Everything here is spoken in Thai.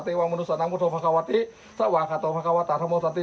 โอ้โหนี่ยุทธวิธีตำรวจ